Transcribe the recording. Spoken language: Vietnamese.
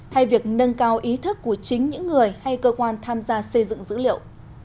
hay việc nâng cao ý thức của chính những người hay cơ quan tham gia xây dựng dữ liệu